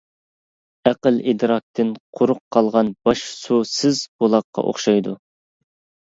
ئەقىل ئىدراكتىن قۇرۇق قالغان باش سۇ سىز بۇلاققا ئوخشايدۇ.